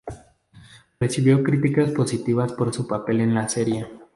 Recibió críticas positivas por su papel en la serie.